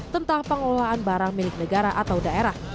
tentang pengelolaan barang milik negara atau daerah